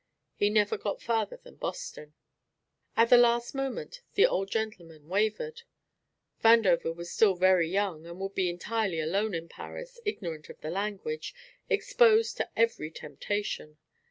He never got farther than Boston. At the last moment the Old Gentleman wavered. Vandover was still very young and would be entirely alone in Paris, ignorant of the language, exposed to every temptation.